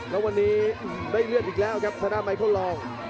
แล้ววันนี้ไม่เลือดอีกแล้วครับสถานาไมค์เขาลอง